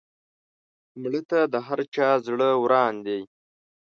مړه ته د هر چا زړه وران دی